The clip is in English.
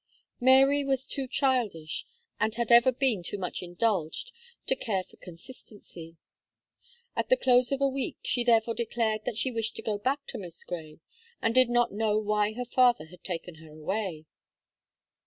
Mary was too childish, and had ever been too much indulged to care for consistency. At the close of a week, she therefore declared that she wished to go back to Miss Gray, and did not know why her father had taken her away.